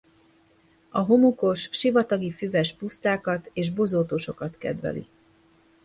A homokos sivatagi füves pusztákat és bozótosokat kedveli.